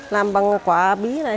làm bằng quả bí này